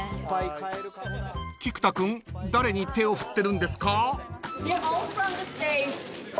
［菊田君誰に手を振ってるんですか？］